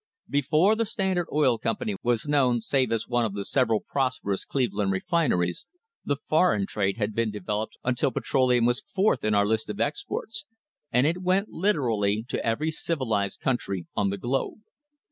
Before the Standard Oil Company was known, save as one of several prosperous Cleveland refineries, the foreign trade had been developed until petroleum was fourth in our list of exports, and it went literally to every civilised country on the globe.